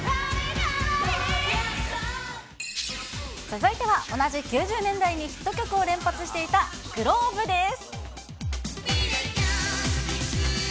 続いては、同じ９０年代にヒット曲を連発していたｇｌｏｂｅです。